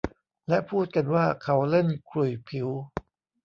และพูดกันว่าเขาเล่นขลุ่ยผิว